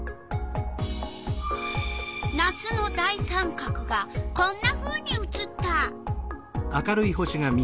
夏の大三角がこんなふうに写った！